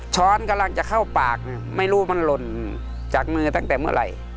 กำลังจะเข้าปากไม่รู้มันหล่นจากมือตั้งแต่เมื่อไหร่